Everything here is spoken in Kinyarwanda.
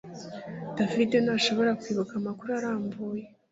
David ntashobora kwibuka amakuru arambuye